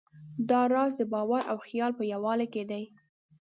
دا راز د باور او خیال په یووالي کې دی.